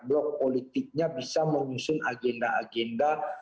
blok politiknya bisa mengusung agenda agenda